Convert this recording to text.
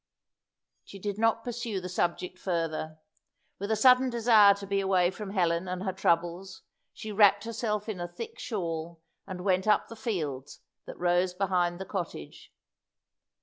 She did not pursue the subject further. With a sudden desire to be away from Helen and her troubles, she wrapped herself in a thick shawl, and went up the fields that rose behind the cottage.